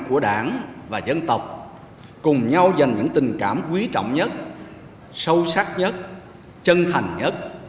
của đảng và dân tộc cùng nhau dành những tình cảm quý trọng nhất sâu sắc nhất chân thành nhất